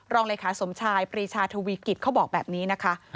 รองเลขาสมชายปรีชาทวีกิจเขาบอกแบบนี้นะคะ